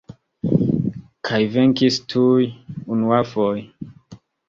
Kaj venkis tuj unuafoje.